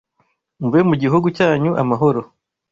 mube mu gihugu cyanyu amahoro